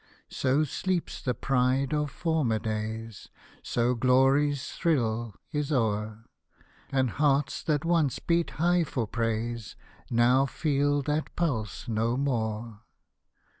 So sleeps the pride of former days. So glory's thrill is o'er. And hearts, that once beat high for praise. Now feel that pulse no more.